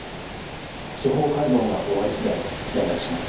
司法解剖が終わりしだい連絡します